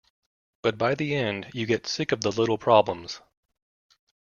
But by the end, you get sick of the little problems.